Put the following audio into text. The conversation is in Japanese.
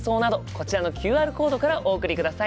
こちらのＱＲコードからお送りください。